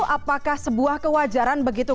apakah sebuah kewajaran begitu